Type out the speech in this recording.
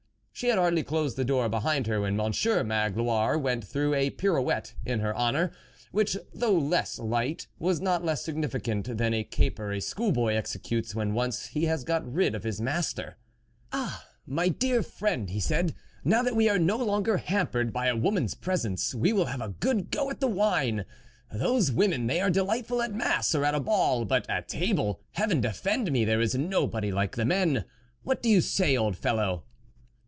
She had hardly closed the door behind her, when Monsieur Magloire went through a pirouette in her honour, which though less light, was not less significant than the caper a school boy executes when once he has got rid of his master. " Ah ! my dear friend," he said, " now that we are no longer hampered by a woman's' presence, we will have a good go at the wine ! Those women, they are delightful at mass or at a ball ; but at table, heaven defend me, there is nobody like the men 1 What do you say, old fellow